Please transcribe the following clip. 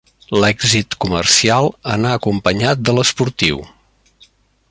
L'èxit comercial anà acompanyat de l'esportiu.